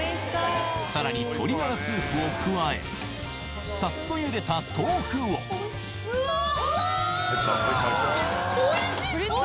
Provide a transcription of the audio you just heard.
さらに鶏がらスープを加えサッと茹でた豆腐をおいしそう！